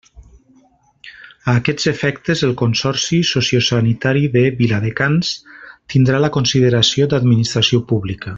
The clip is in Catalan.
A aquests efectes, el Consorci Sociosanitari de Viladecans tindrà la consideració d'Administració Pública.